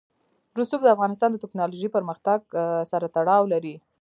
رسوب د افغانستان د تکنالوژۍ پرمختګ سره تړاو لري.